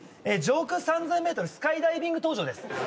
「上空３０００ｍスカイダイビング登場」です。